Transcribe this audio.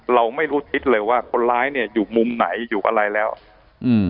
เราไม่รู้ทิศเลยว่าคนร้ายเนี้ยอยู่มุมไหนอยู่อะไรแล้วอืม